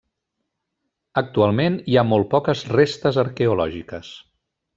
Actualment hi ha molt poques restes arqueològiques.